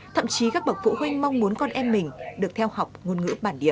thậm chí các bậc phụ huynh mong muốn con em mình được theo học ngôn ngữ bản địa